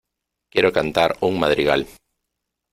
Quiero cantar un madrigal.